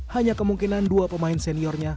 hanya kemungkinan dua pemain seniornya